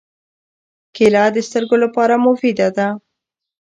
کېله د سترګو لپاره مفیده ده.